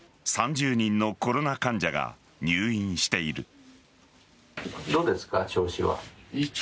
３０人のコロナ患者が入院している。